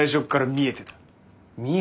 見えてた？